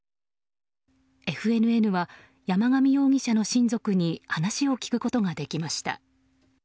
ＦＮＮは山上容疑者の親族に話を聞くことができました。